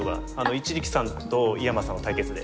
一力さんと井山さんの対決で。